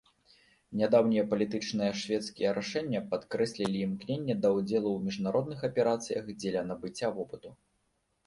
Нядаўнія палітычныя шведскія рашэння падкрэслілі імкненне да ўдзелу ў міжнародных аперацыях дзеля набыцця вопыту.